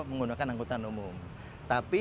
menggunakan anggota umum tapi